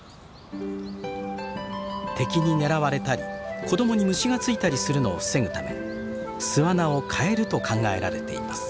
敵に狙われたり子供に虫が付いたりするのを防ぐため巣穴を替えると考えられています。